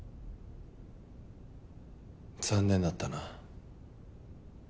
残念だったな。